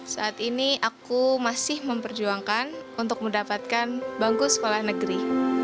saat ini aku masih memperjuangkan untuk mendapatkan bangku sekolah negeri